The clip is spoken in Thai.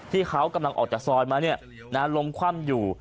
ที่เขากำลังออกจากซอยมาล้มคว่ำอยู่